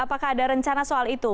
apakah ada rencana soal itu